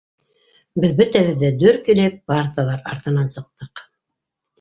Беҙ бөтәбеҙ ҙә, дөр килеп, парталар артынан сыҡтыҡ.